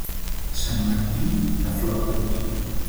Sant Martí, la flor del pi.